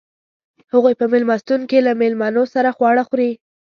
هغوئ په میلمستون کې له میلمنو سره خواړه خوري.